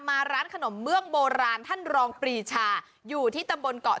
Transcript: มาร้านขนมเบื้องโบราณท่านรองปรีชาอยู่ที่ตำบลเกาะ